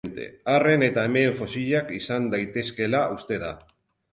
Arren eta emeen fosilak izan daitezkeela uste da.